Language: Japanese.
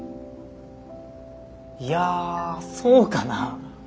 いやそうかなぁ？